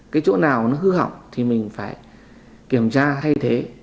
cái chỗ nào nó hư hỏng thì mình phải kiểm tra thay thế